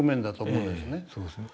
そうですね。